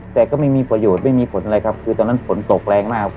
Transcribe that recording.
แต่ก็ไม่มีประโยชน์ไม่มีผลอะไรครับคือตอนนั้นฝนตกแรงมาก